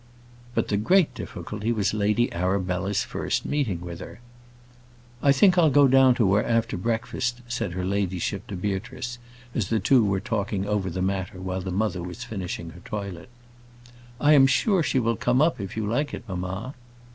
But the great difficulty was Lady Arabella's first meeting with her. "I think I'll go down to her after breakfast," said her ladyship to Beatrice, as the two were talking over the matter while the mother was finishing her toilet. "I am sure she will come up if you like it, mamma."